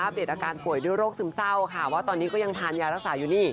เดตอาการป่วยด้วยโรคซึมเศร้าค่ะว่าตอนนี้ก็ยังทานยารักษาอยู่นี่